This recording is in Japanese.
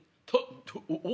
お？